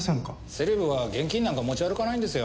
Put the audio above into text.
セレブは現金なんか持ち歩かないんですよ。